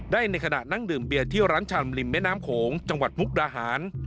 ในขณะนั่งดื่มเบียร์ที่ร้านชำริมแม่น้ำโขงจังหวัดมุกดาหาร